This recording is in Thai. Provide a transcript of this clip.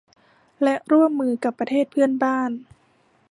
และร่วมมือกับประเทศเพื่อนบ้าน